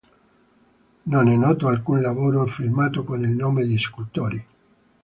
Non è noto alcun lavoro firmato con il nome di Scultori.